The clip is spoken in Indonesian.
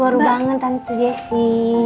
eh datang tante jessy